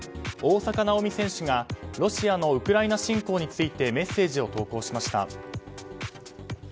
大坂なおみ選手がロシアのウクライナ侵攻についてメッセージを投稿しました。